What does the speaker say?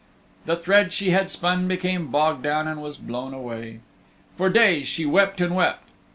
The thread she had spun became bog down and was blown away. For days she wept and wept.